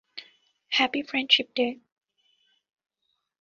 Happy friendship day.